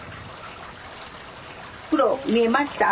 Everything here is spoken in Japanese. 袋見えました？